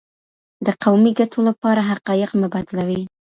د قومي ګټو لپاره حقایق مه بدلوئ.